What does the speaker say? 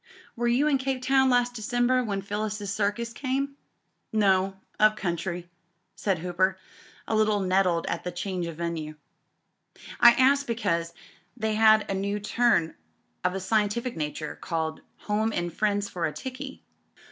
... Were you in Cape Town last December when Phyllis's Circus came?" "No — up country," said Hooper, a little nettled at the change of venue. "I ask because they had a new turn of a scientific nature called 'Home and Friends for a Tickey.'"